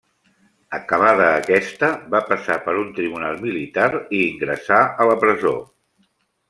Acabada aquesta, va passar per un tribunal militar i ingressà a la presó.